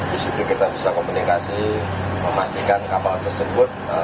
di situ kita bisa komunikasi memastikan kapal tersebut